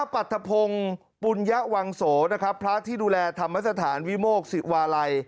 ปรัฐพงศ์ปุญญวังโสนะครับพระที่ดูแลธรรมสถานวิโมกศิวาลัย